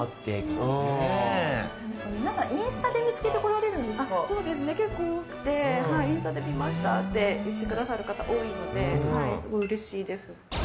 皆さん、インスタで見つけて結構多くてインスタで見ましたって言ってくださる方多いのですごいうれいいです。